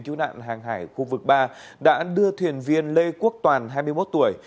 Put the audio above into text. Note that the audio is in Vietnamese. cứu nạn hàng hải khu vực ba đã đưa thuyền viên lê quốc toàn hai mươi một tuổi